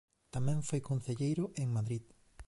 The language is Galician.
Tamén foi concelleiro en Madrid.